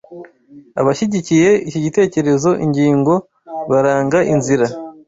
Abashyigikiye iki gitekerezo ingingo baranga inzira